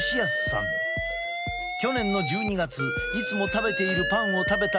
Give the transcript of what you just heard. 去年の１２月いつも食べているパンを食べた